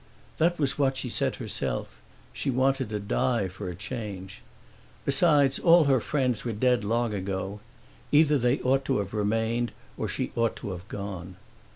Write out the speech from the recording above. That was what she said herself she wanted to die for a change. Besides, all her friends were dead long ago; either they ought to have remained or she ought to have gone.